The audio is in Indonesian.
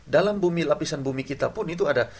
dalam bumi lapisan bumi kita pun itu ada